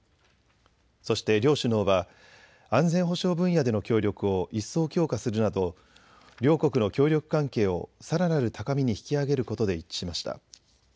そして両首脳は安全保障分野での協力を一層強化するなど両国の協力関係をさらなる高みに引き上げることで一致しました。